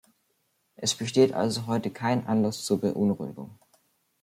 Es besteht also heute kein Anlass zur Beunruhigung.